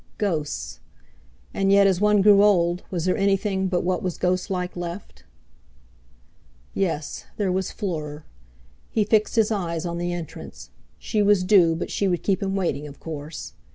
Ghosts! And yet as one grew old—was there anything but what was ghost like left? Yes, there was Fleur! He fixed his eyes on the entrance. She was due; but she would keep him waiting, of course!